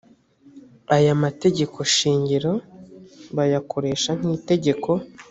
aya mategeko shingiro bayakoresha nki itegeko